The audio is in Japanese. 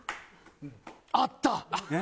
あった！